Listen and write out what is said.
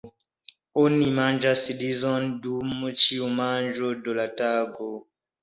Oni manĝas rizon dum ĉiu manĝo de la tago.